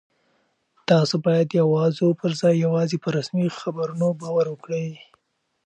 تاسو باید د اوازو پر ځای یوازې په رسمي خبرونو باور وکړئ.